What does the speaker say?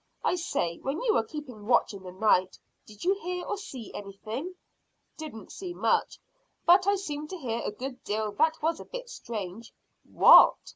I say, when you were keeping watch in the night, did you hear or see anything?" "Didn't see much, but I seemed to hear a good deal that was a bit strange." "What?"